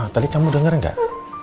ma tadi kamu denger nggak